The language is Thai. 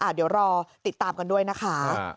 เดี๋ยวรอติดตามกันด้วยนะคะ